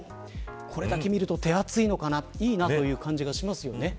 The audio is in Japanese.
これだけ見ると手厚いのかないいなという感じがしますよね。